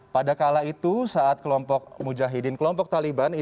pada kala itu saat kelompok mujahidin kelompok taliban